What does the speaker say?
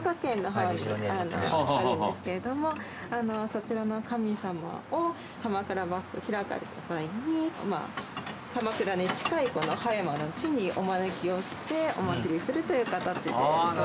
そちらの神様を鎌倉幕府開かれた際に鎌倉に近いこの葉山の地にお招きをしてお祭りするという形で創建されました。